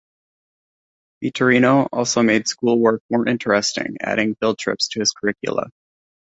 Vittorino also made school work more interesting, adding field trips to his curricula.